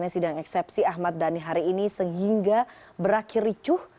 sidang eksepsi ahmad dhani hari ini sehingga berakhir ricuh